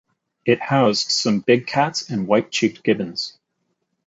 It housed some big cats and white-cheeked gibbons.